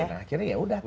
nah akhirnya yaudah